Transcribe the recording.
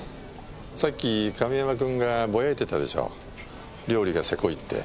さっき亀山君がぼやいてたでしょ料理がせこいって。